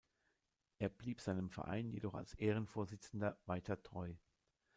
Er blieb seinem Verein jedoch als Ehrenvorsitzender weiter treu.